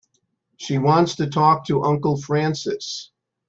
She wants to talk to Uncle Francis.